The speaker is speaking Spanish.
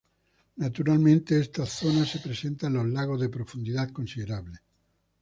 Naturalmente esta zona se presenta en los lagos de profundidad considerable.